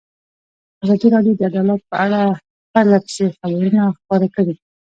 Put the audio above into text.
ازادي راډیو د عدالت په اړه پرله پسې خبرونه خپاره کړي.